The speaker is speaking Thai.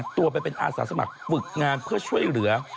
ตัวไปเป็นอาสาสมัครฝึกงานเพื่อช่วยเหลือ